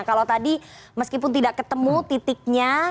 kalau tadi meskipun tidak ketemu titiknya